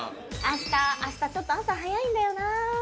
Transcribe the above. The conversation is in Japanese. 「明日明日ちょっと朝早いんだよなあ」。